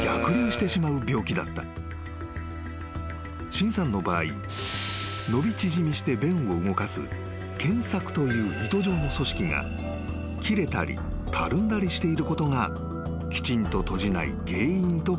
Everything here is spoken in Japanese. ［申さんの場合伸び縮みして弁を動かす腱索という糸状の組織が切れたりたるんだりしていることがきちんと閉じない原因と考えられた］